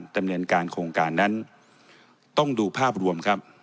ดำเนินการโครงการนั้นต้องดูภาพรวมครับ